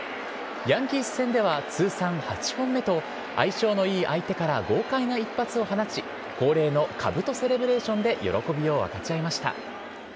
ヤンキース戦では通算８本目と相性の良い相手から豪快な一発を放ち恒例のかぶとセレブレーションで喜びを分かち合いました。